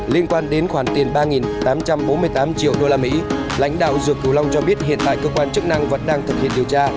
liên quan đến khoản tiền ba tám trăm bốn mươi tám triệu usd lãnh đạo dược cửu long cho biết hiện tại cơ quan chức năng vẫn đang thực hiện điều tra